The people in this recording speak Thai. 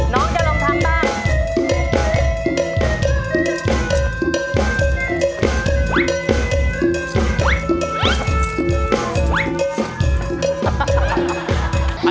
น้องจะลองทำบ้าง